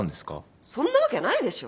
そんなわけないでしょ。